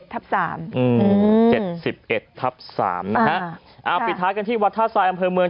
๗๑ทับ๓นะฮะปิดท้ายกันที่วัดท่าทรายอำเภอเมือง